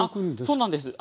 あっそうなんです。